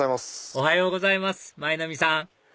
おはようございます舞の海さん